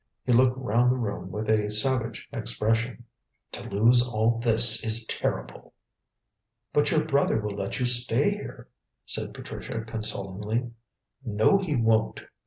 He looked round the room with a savage expression. "To lose all this is terrible!" "But your brother will let you stay here," said Patricia consolingly. "No, he won't.